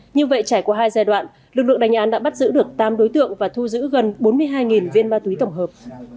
như vậy trải qua hai giai đoạn lực lượng đánh án đã bắt giữ được tám đối tượng và thu giữ gần bốn mươi hai viên ma túy tổng hợp